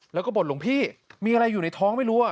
แล้วก็บ่นหลวงพี่มีอะไรอยู่ในท้องไม่รู้